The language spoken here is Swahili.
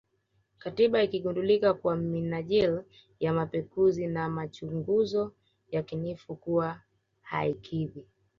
Katiba ikigundulika kwa minajili ya mapekuzi na machunguzo yakinifu kuwa haikidhi